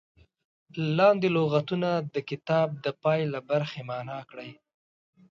لاندې لغتونه د کتاب د پای له برخې معنا کړي.